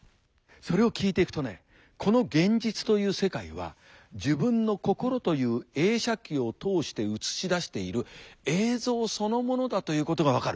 それを聞いていくとねこの現実という世界は自分の心という映写機を通して映し出している映像そのものだということが分かる。